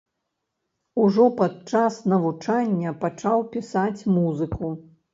Ужо падчас навучання пачаў пісаць музыку.